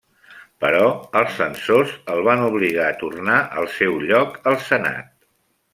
Però els censors el van obligar a tornar al seu lloc al senat.